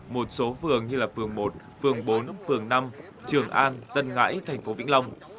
một số phường như là phường một phường bốn phường năm trường an tân ngãi thành phố vĩnh long